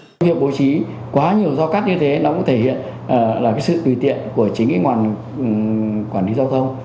công việc bố trí quá nhiều dao cắt như thế nó cũng thể hiện là sự tùy tiện của chính cái quản lý giao thông